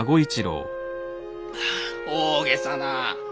大げさな。